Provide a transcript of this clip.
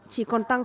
chỉ còn tăng hai